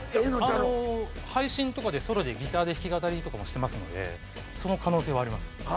あの配信とかでソロでギターで弾き語りとかもしてますのでその可能性はあります